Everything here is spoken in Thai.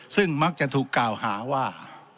ซึ่งมักจะถูกกล่าวหาว่า